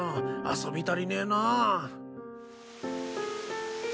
遊び足りねえなぁ。